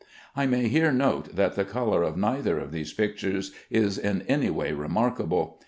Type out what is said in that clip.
I may here note that the color of neither of these pictures is in any way remarkable.